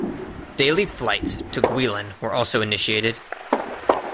Daily flights to Guilin were also initiated.